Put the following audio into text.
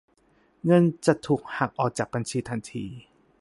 เงินจะถูกหักออกจากบัญชีทันที